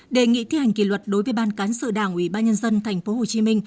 đề nghị thi hành kỷ luật đối với ban cán sự đảng ủy ban nhân dân tp hcm